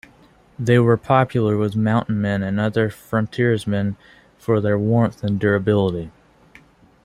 They were popular with mountain men and other frontiersmen for their warmth and durability.